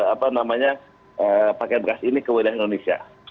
apa namanya pakaian bekas ini ke wilayah indonesia